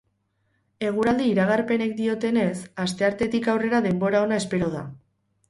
Eguraldi iragarpenek diotenez, asteartetik aurrera denbora ona espero da.